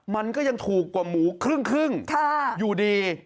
มันก็ยังถูกกว่าหมูครึ่งอยู่ดี